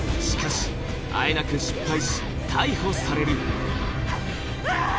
しかしあえなく失敗し逮捕されるうわぁ！